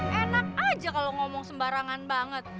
eh enak aja kalo ngomong sembarangan banget